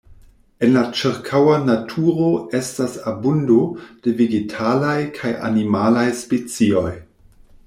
En la ĉirkaŭa naturo estas abundo de vegetalaj kaj animalaj specioj.